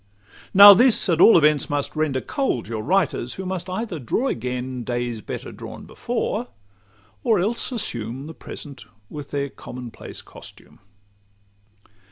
Now this at all events must render cold Your writers, who must either draw again Days better drawn before, or else assume The present, with their common place costume.